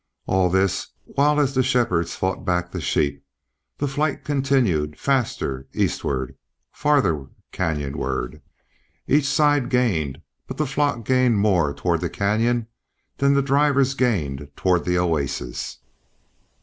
All this while as the shepherds fought back the sheep, the flight continued faster eastward, farther canyonward. Each side gained, but the flock gained more toward the canyon than the drivers gained toward the oasis.